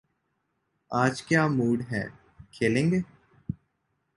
آج کیا موڈ ہے، کھیلیں گے؟